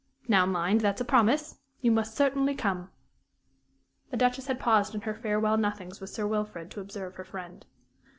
Now mind, that's a promise. You must certainly come." The Duchess had paused in her farewell nothings with Sir Wilfrid to observe her friend.